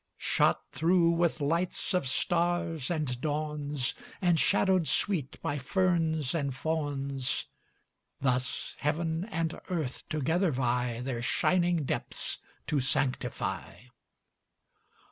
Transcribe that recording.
Shot through with lights of stars and dawns, And shadowed sweet by ferns and fawns, Thus heaven and earth together vie Their shining depths to sanctify.